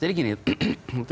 sebelum kita cerita dulu